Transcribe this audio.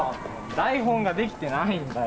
台本が出来てないんだよ。